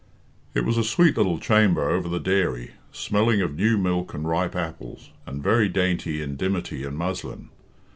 It was a sweet little chamber over the dairy, smelling of new milk and ripe apples, and very dainty in dimity and muslin.